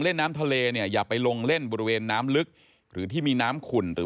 เล่นน้ำทะเลเนี่ยอย่าไปลงเล่นบริเวณน้ำลึกหรือที่มีน้ำขุ่นหรือ